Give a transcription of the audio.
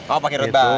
oh pakai road bike